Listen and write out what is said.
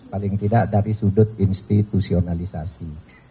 paling tidak dari sudut institusionalisasi